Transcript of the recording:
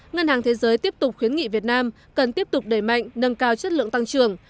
ngân hàng thế giới tiếp tục khuyến nghị việt nam cần tiếp tục đẩy mạnh nâng cao chất lượng tăng trưởng